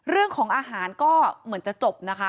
เรื่องของอาหารก็เหมือนจะจบนะคะ